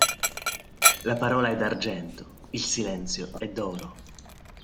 La parola è d'argento, il silenzio è d'oro.